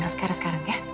askara sekarang ya